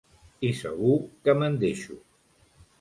I segur que me'n deixo.